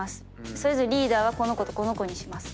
それぞれリーダーはこの子とこの子にします。